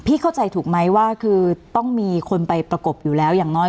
เข้าใจถูกไหมว่าคือต้องมีคนไปประกบอยู่แล้วอย่างน้อย